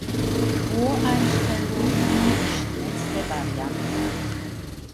Voreinstellung ist die schnellste Variante.